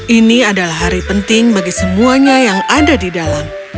ini adalah hari penting bagi semuanya yang ada di dalam